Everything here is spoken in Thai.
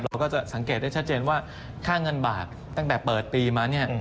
เราก็จะสังเกตได้ชัดเจนว่าค่าเงินบาทตั้งแต่เปิดปีมาเนี่ย